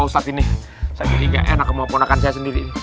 saya jadi nggak enak memponakan saya sendiri